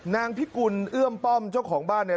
นางพิกุลเอื้อมป้อมเจ้าของบ้านเนี่ย